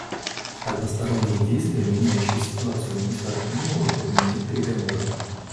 Односторонние действия, меняющие ситуацию на местах, не могут подменять переговоры.